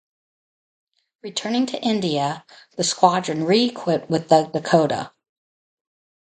Returning to India the squadron re-equipped with the Dakota.